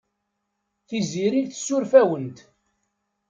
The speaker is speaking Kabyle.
Tiziri tessuref-awent.